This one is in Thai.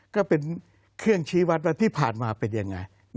ก็เป็นเครื่องชี้วัดว่าที่ผ่านมาเป็นยังไง